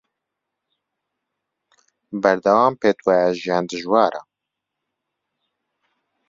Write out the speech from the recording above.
بەردەوام پێت وایە ژیان دژوارە